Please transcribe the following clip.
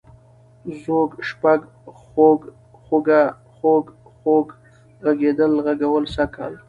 ځوږ، شپږ، خوَږ، خُوږه ، خوږ، خوږ ، غږېدل، غږول، سږ کال